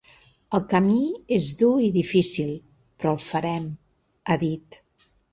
“El camí és dur i difícil, però el farem”, ha dit.